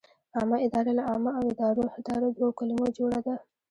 عامه اداره له عامه او اداره دوو کلمو جوړه ده.